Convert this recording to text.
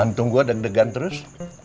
gantung gue deg degan terus